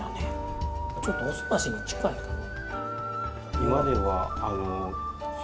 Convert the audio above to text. ちょっとお澄ましに近いかな。